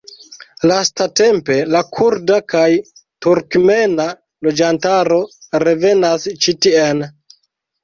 Lastatempe la kurda kaj turkmena loĝantaro revenas ĉi tien.